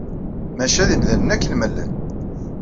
Maca d imdanen akken ma llan.